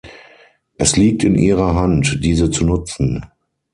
Es liegt in ihrer Hand, diese zu nutzen.